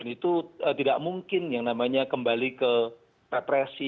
itu tidak mungkin yang namanya kembali ke represi